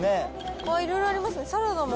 いろいろありますね、サラダも。